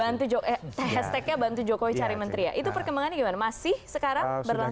bantu hashtagnya bantu jokowi cari menteri ya itu perkembangannya gimana masih sekarang berlangsung